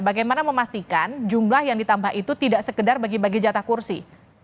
bagaimana memastikan jumlah yang ditambah itu tidak sekedar bagi bagi jatah kursi